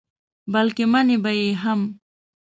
بلکې منې به یې هم.